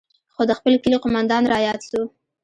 خو د خپل کلي قومندان راياد سو.